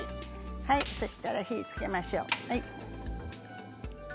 そうしたら火をつけましょう。